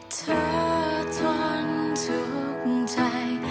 เธอทนทุกใจ